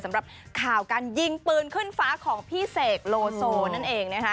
สำหรับข่าวการยิงปืนขึ้นฟ้าของพี่เสกโลโซนั่นเองนะคะ